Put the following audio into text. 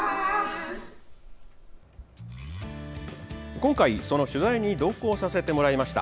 今回、その取材に同行させてもらいました。